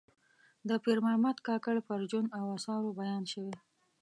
د پیر محمد کاکړ پر ژوند او آثارو بیان شوی.